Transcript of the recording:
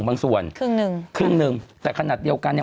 ครึ่งหนึ่งครับครึ่งหนึ่งแต่ขนาดเดียวกันเนี่ย